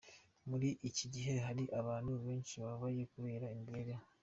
Muri iki gihe hari abantu benshi bababaye kubera imibereho.